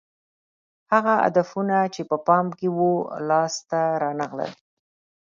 هغه هدفونه چې په پام کې وو لاس ته رانه غلل